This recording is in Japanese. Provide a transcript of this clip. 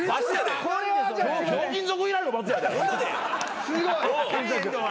『ひょうきん族』以来のバツやで。